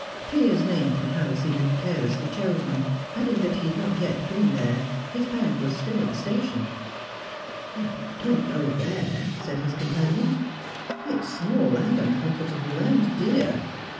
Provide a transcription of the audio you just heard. Piers named the house he had carelessly chosen, adding that he had not been there yet; his bag was still at the station. "Don't go there," said his companion. "It's small and uncomfortable and dear.